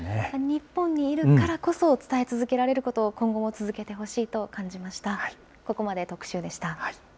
日本にいるからこそ、伝え続けられることを、今後も続けてほしいと感じました。